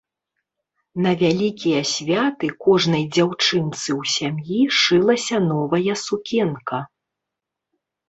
На вялікія святы кожнай дзяўчынцы ў сям'і шылася новая сукенка.